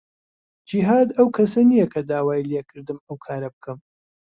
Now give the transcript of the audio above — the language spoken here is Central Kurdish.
جیهاد ئەو کەسە نییە کە داوای لێ کردم ئەو کارە بکەم.